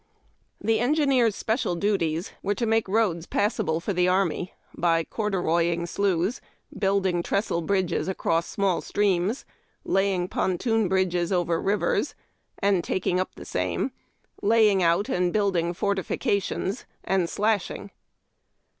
The engineers' special duties were to make roads passable for the army by corduroying sloughs, building trestle bridges across small streams, laying pontoon bridges over rivers, and taking up the same, laying out and building fortifica CORDUROYING. tions, and slashing.